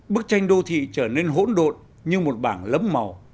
bức tranh đô thị trở nên hỗn độn như một bảng lấm màu